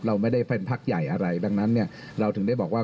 เราไม่ได้เป็นพักใหญ่อะไรดังนั้นเนี่ยเราถึงได้บอกว่า